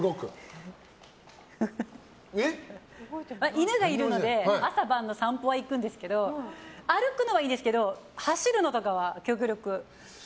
犬がいるので朝晩の散歩は行くんですけど歩くのはいいですけど、走るのは極力。